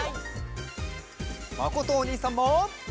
まことおにいさんも。